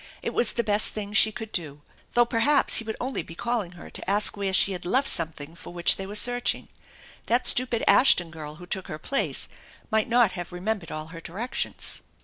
It was the best thing she could do. Though perhaps he would only be calling her to ask where she had left something for which they were searching. That stupid Ashton girl who took her place might not have remembered all her directions.